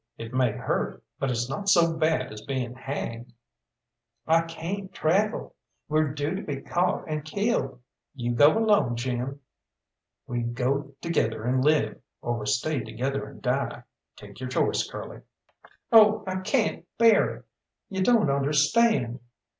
It may hurt, but it's not so bad as being hanged." "I cayn't travel. We're due to be caught and killed. You go alone, Jim." "We go together and live, or we stay together and die. Take your choice, Curly." "Oh, I cayn't bear it you don't understand!"